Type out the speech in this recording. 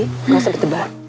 nggak usah betebak